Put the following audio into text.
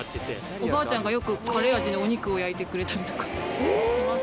おばあちゃんがよくカレー味のお肉を焼いてくれたりとかします。